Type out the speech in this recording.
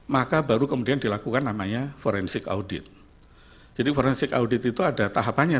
maka baru kemudian dilakukan namanya forensik audit jadi forensik audit itu ada tahapannya